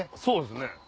そうですね。